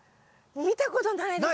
見たことないです。